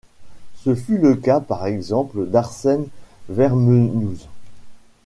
Ce fut le cas par exemple d'Arsène Vermenouze.